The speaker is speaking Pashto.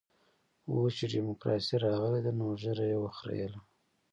اوس چې ډيموکراسي راغلې ده نو ږيره يې وخرېیله.